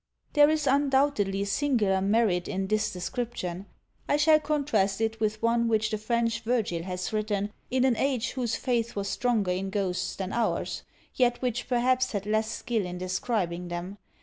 There is undoubtedly singular merit in this description. I shall contrast it with one which the French Virgil has written, in an age whose faith was stronger in ghosts than ours, yet which perhaps had less skill in describing them.